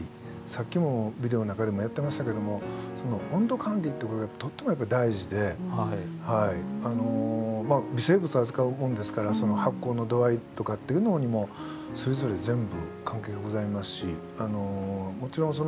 さっきもビデオの中でもやってましたけどもその温度管理ってことがとってもやっぱり大事であのまあ微生物扱うもんですから発酵の度合いとかっていうのにもそれぞれ全部関係がございますしもちろん